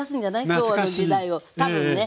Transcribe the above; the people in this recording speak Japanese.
昭和の時代を多分ね。